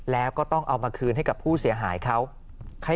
แล้วก็ต้องเอามาคืนให้กับผู้เสียหายเขา